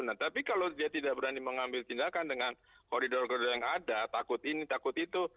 nah tapi kalau dia tidak berani mengambil tindakan dengan koridor koridor yang ada takut ini takut itu